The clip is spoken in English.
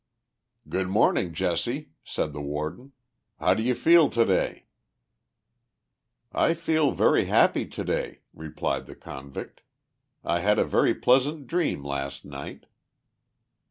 44 Good morning, Jesse," said the Warden. •• How do you feel today ?" 44 1 feel very happy today," replied the convict. 44 1 had a very pleasant dream last night."